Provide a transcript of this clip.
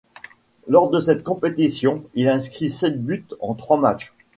Lors de cette compétition, il inscrit sept buts en trois matchs.